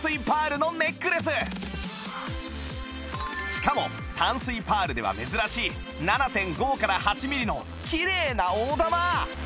しかも淡水パールでは珍しい ７．５ から８ミリのきれいな大玉